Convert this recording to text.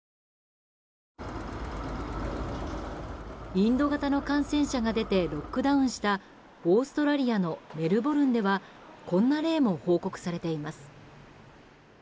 インド型の感染者が出てロックダウンしたオーストラリアのメルボルンではこんな例も報告されています。